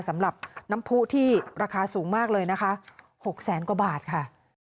สำหรับน้ำผู้ที่ราคาสูงมากเลยนะคะ๖แสนกว่าบาทค่ะ